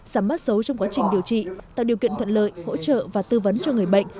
sắm mắt sấu trong quá trình điều trị tạo điều kiện thuận lợi hỗ trợ và tư vấn cho người bệnh